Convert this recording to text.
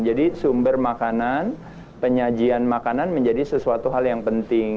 jadi sumber makanan penyajian makanan menjadi sesuatu hal yang penting